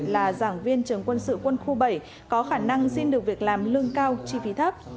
là giảng viên trường quân sự quân khu bảy có khả năng xin được việc làm lương cao chi phí thấp